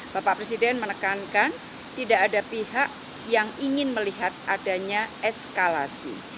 bapak presiden menekankan tidak ada pihak yang ingin melihat adanya eskalasi